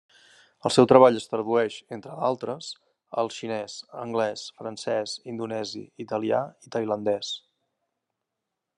El seu treball es tradueix, entre d'altres, al xinès, anglès, francès, indonesi, italià i tailandès.